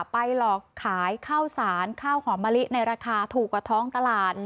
ไปหลอกขายข้าวสารข้าวหอมมะลิในราคาถูกกว่าท้องตลาด